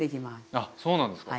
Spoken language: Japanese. あっそうなんですか。